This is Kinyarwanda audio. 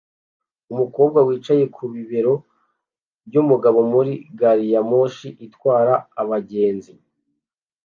Umukobwa wicaye ku bibero byumugabo muri gari ya moshi itwara abagenzi